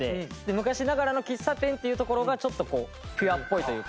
昔ながらの喫茶店っていうところがちょっとこうピュアっぽいというか。